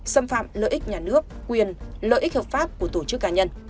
xâm phạm lợi ích nhà nước quyền lợi ích hợp pháp của tổ chức cá nhân